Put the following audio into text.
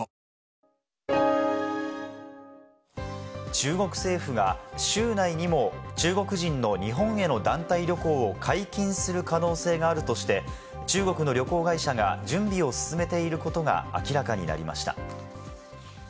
中国政府が週内にも中国人の日本への団体旅行を解禁する可能性があるとして、中国の旅行会社が準備を進めていることが明らかになりました。